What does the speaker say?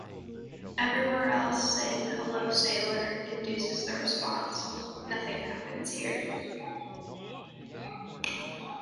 Everywhere else, saying hello sailor induces the response, Nothing happens here.